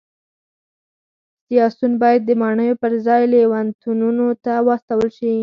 سیاسیون باید د ماڼیو پرځای لېونتونونو ته واستول شي